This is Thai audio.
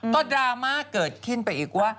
ก็ดราม่าเกิดขึ้นไปอีกว่า